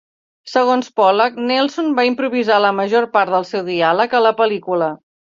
Segons Pollack, Nelson va improvisar la major part del seu diàleg a la pel·lícula.